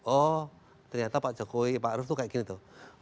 oh ternyata pak jokowi pak arief tuh kayak gini tuh